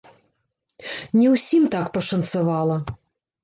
Не ўсім так пашанцавала.